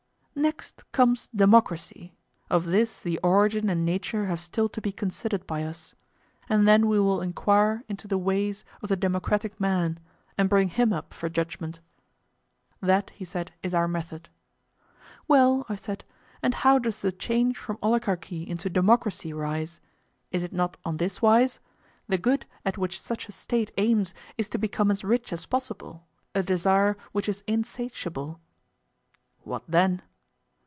Next comes democracy; of this the origin and nature have still to be considered by us; and then we will enquire into the ways of the democratic man, and bring him up for judgment. That, he said, is our method. Well, I said, and how does the change from oligarchy into democracy arise? Is it not on this wise?—The good at which such a State aims is to become as rich as possible, a desire which is insatiable? What then?